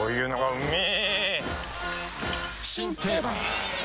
うめぇ